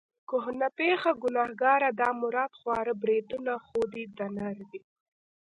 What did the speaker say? کهنه پېخه، ګنهګاره، دا مردار خواره بریتونه خو دې د نر دي.